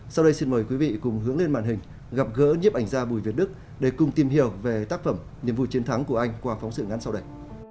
sau đây xin mời quý vị cùng hướng lên màn hình gặp gỡ nhếp ảnh gia bùi việt đức để cùng tìm hiểu về tác phẩm nhiệm vụ chiến thắng của anh qua phóng sự ngắn sau đây